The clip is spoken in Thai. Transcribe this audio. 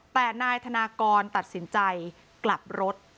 แต่ทฆกรตัดสินใจกลับรถ